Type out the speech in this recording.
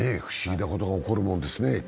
不思議なことが起こるものですね。